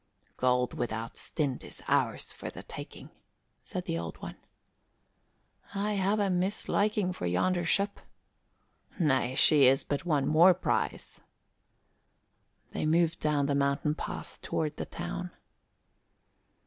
"Gold without stint is ours for the taking," said the Old One. "I have a misliking of yonder ship." "Nay, she is but one more prize." They moved down the mountain path toward the town.